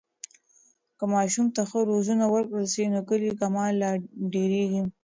که ماشوم ته ښه روزنه ورکړل سي، نو کلی کمال لا ډېرېږي.